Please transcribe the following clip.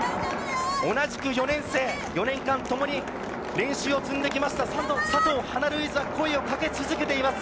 同じく４年生、４年間、共に練習を積んできました佐藤華ルイーズは声をかけ続けています。